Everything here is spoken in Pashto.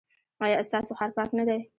ایا ستاسو ښار پاک نه دی؟